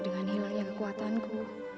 dengan hilangnya kekuatanku